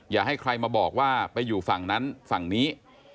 อย่าให้ใครมาบอกว่าไปอยู่ฝั่งนั้นฝั่งนี้